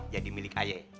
jadi milik ayo